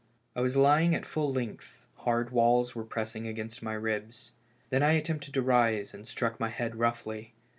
I was lying at full length, hard walls were pressing against my ribs. Then I attempted to rise and struck my head roughly.